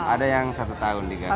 ada yang satu tahun diganti